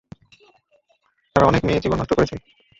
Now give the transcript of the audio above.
তারা অনেক মেয়ের জীবন নষ্ট করেছে।